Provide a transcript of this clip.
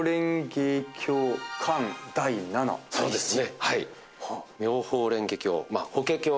そうですね。